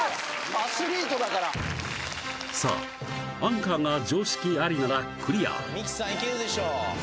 アスリートだからさあアンカーが常識ありならクリア美姫さんいけるでしょ